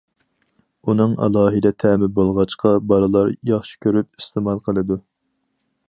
ئۇنىڭ ئالاھىدە تەمى بولغاچقا، بالىلار ياخشى كۆرۈپ ئىستېمال قىلىدۇ.